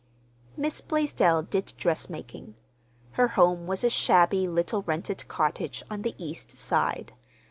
Miss Blaisdell did dressmaking. Her home was a shabby little rented cottage on the East Side.